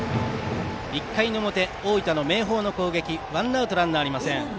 １回の表、大分の明豊ワンアウトランナーありません。